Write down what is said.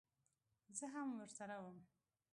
زه هم ورسره وم.